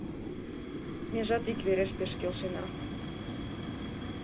Межат иквереш пеш келшена